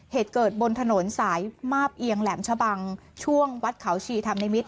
เหตุเกิดบนถนนสายมาบเอียงแหลมชะบังช่วงวัดเขาชีธรรมนิมิต